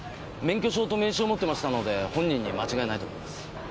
免許証と名刺を持ってましたので本人に間違いないと思います。